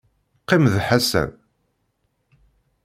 Qqim d Ḥasan.